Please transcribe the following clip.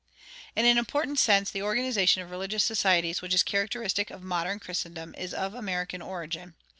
In an important sense the organization of religious societies which is characteristic of modern Christendom is of American origin.